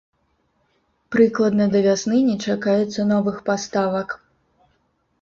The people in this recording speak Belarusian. Прыкладна да вясны не чакаецца новых паставак.